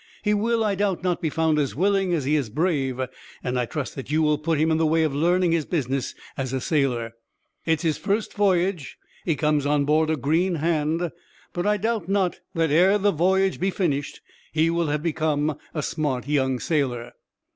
He will, I doubt not, be found as willing as he is brave; and I trust that you will put him in the way of learning his business as a sailor. It is his first voyage. He comes on board a green hand, but I doubt not that, ere the voyage be finished, he will have become a smart young sailor."